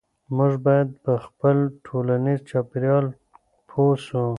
موږ باید په خپل ټولنیز چاپیریال پوه سو.